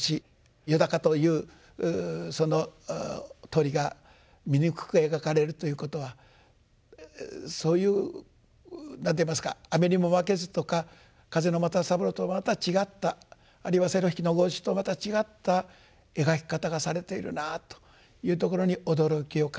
「よだか」というその鳥が醜く描かれるということはそういう何ていいますか「雨ニモマケズ」とか「風の又三郎」とまた違ったあるいは「セロ弾きのゴーシュ」とまた違った描き方がされているなというところに驚きを感じ。